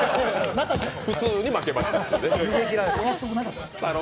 普通に負けましたという。